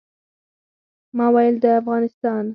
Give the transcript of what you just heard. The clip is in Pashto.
ما ویل د افغانستان.